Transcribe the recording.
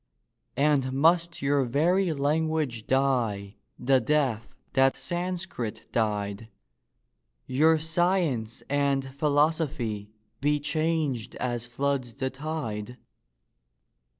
And must your very language die the death that Sanscrit died— Your science and philosophy be changed as floods the tide?